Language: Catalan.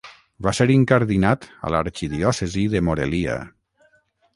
Va ser incardinat a l'arxidiòcesi de Morelia.